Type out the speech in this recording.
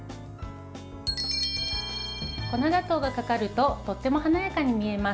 粉砂糖がかかるととても華やかに見えます。